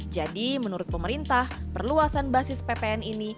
jadi menurut pemerintah perluasan basis ppn ini